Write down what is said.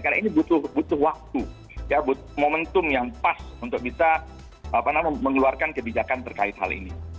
karena ini butuh waktu ya momentum yang pas untuk bisa mengeluarkan kebijakan terkait hal ini